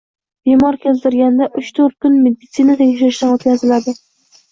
Bemor keltirilganda, uch-to‘rt kun meditsina tekshirishidan o‘tkaziladi.